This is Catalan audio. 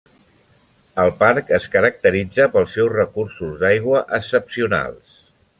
El parc es caracteritza pels seus recursos d'aigua excepcionals.